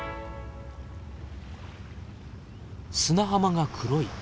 砂浜が黒い。